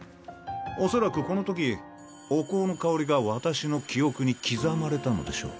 恐らくこのときお香の香りが私の記憶に刻まれたんでしてょう。